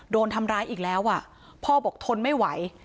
โดนทำร้ายอีกแล้วอ่ะพ่อบอกทนไม่ไหว